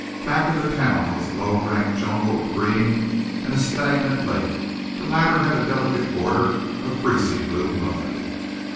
Back of the town was a low, rank jungle of green, and a stagnant lake. The latter had a delicate border of greasy blue mud.